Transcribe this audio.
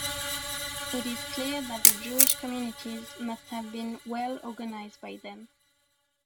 It is clear that the Jewish communities must have been well-organized by then.